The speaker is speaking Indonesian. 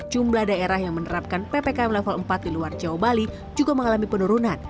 jumlah daerah yang menerapkan ppkm level empat di luar jawa bali juga mengalami penurunan